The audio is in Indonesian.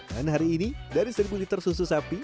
dan hari ini dari seribu liter susu sapi